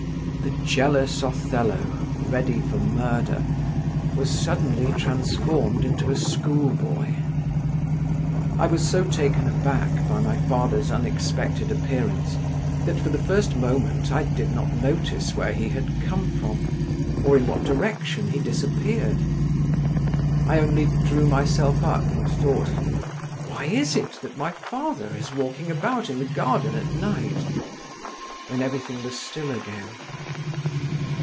The jealous Othello, ready for murder, was suddenly transformed into a school boy…. I was so taken aback by my father's unexpected appearance that for the first moment I did not notice where he had come from or in what direction he disappeared. I only drew myself up, and thought, "Why is it my father is walking about in the garden at night?" when everything was still again.